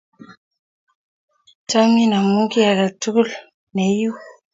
Achamin amu kiy ake tukul ne iu.